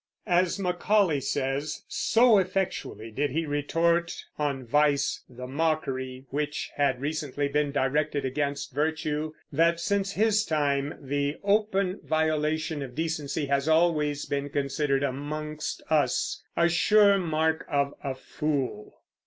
As Macaulay says, "So effectually did he retort on vice the mockery which had recently been directed against virtue, that since his time the open violation of decency has always been considered amongst us a sure mark of a fool."